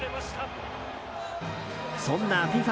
そんなＦＩＦＡ